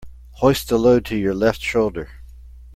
Hoist the load to your left shoulder.